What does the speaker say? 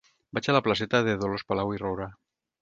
Vaig a la placeta de Dolors Palau i Roura.